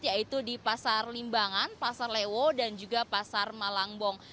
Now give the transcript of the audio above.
yaitu di pasar limbangan pasar lewo dan juga pasar malangbong